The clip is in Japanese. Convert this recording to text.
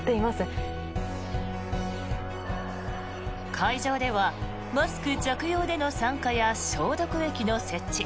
会場ではマスク着用での参加や消毒液の設置